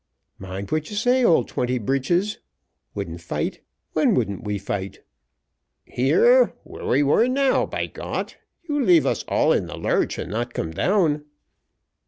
"Mind what you say, old twenty breeches wouldn't fight when wouldn't we fight?" "Here, where we were now, by Got, you leave us all in the lurch, and not come down."